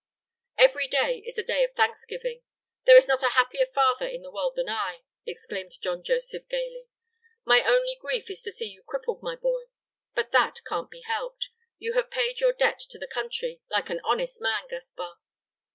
"Every day is a day of thanksgiving! There is not a happier father in the world than I!" exclaimed John Joseph gayly. "My only grief is to see you crippled, my boy. But that can't be helped. You have paid your debt to the country like an honest man, Gaspar."